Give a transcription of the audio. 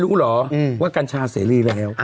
พูดหรอว่ากัญชาเสียรีแล้ว